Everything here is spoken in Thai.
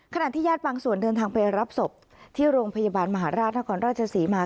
ญาติบางส่วนเดินทางไปรับศพที่โรงพยาบาลมหาราชนครราชศรีมา